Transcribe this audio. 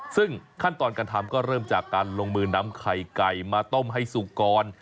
ซึ่งขั้นตอนการทำก็เริ่มจากการลงมือนำไข่ไก่มาต้มให้สุกก่อน